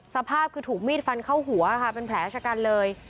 สภาพคือถูกมีดฟันเข้าหัวค่ะเป็นแผลชะกันเลย